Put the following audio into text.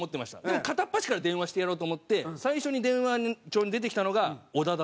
でも片っ端から電話してやろうと思って最初に電話帳に出てきたのが小田だったんですよ。